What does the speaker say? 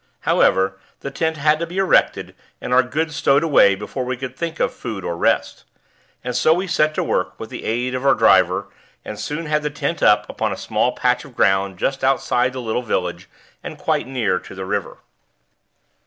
However, the tent had to be erected and our goods stowed away before we could think of food or rest. And so we set to work, with the aid of our driver, and soon had the tent up upon a small patch of ground just outside the little village, and quite near to the river.